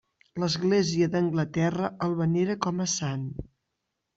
L'Església d'Anglaterra el venera com a sant.